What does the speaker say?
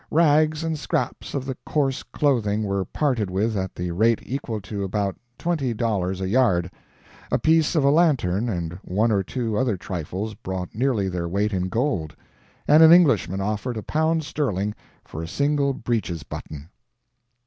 Rags and scraps of the coarse clothing were parted with at the rate equal to about twenty dollars a yard; a piece of a lantern and one or two other trifles brought nearly their weight in gold; and an Englishman offered a pound sterling for a single breeches button.